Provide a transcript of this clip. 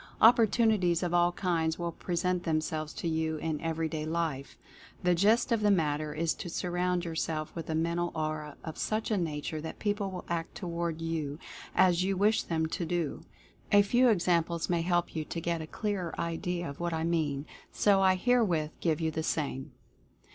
Opportunities of all kinds will present themselves to you in everyday life. The gist of the matter is to surround yourself with a Men tal Aura of such a nature that people will act toward you as you wish them to do. A few examples may help you to get a clearer idea of what I mean, so I herewith give you the same.